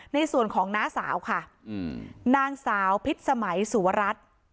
ในส่วนของน้าสาวค่ะนางสาวพิษสมัยสุวรัตน์